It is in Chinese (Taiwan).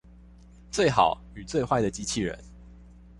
最好與最壞的機器人